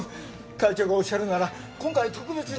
会長がおっしゃるなら今回は特別に厳重注意。